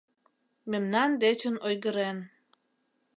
Мемнан дечын ойгырен